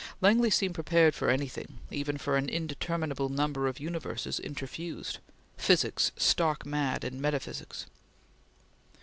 Langley seemed prepared for anything, even for an indeterminable number of universes interfused physics stark mad in metaphysics.